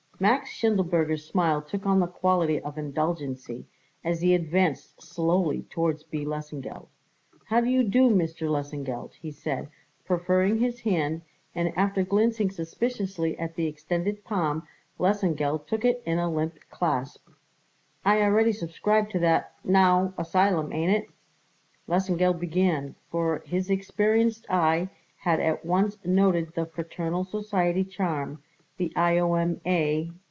Max Schindelberger's smile took on the quality of indulgency as he advanced slowly toward B. Lesengeld. "How do you do, Mr. Lesengeld?" he said, proffering his hand; and after glancing suspiciously at the extended palm Lesengeld took it in a limp clasp. "I already suscribed to that now asylum, ain't it?" Lesengeld began, for his experienced eye had at once noted the fraternal society charm, the I.O.M.A.